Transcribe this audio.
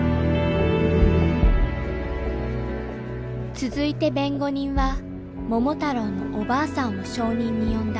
続いて弁護人は桃太郎のおばあさんを証人に呼んだ。